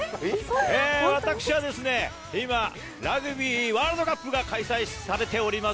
私は今、ラグビーワールドカップが開催されております